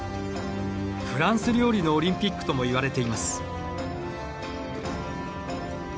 フランス料理のオリンピックともいわれています。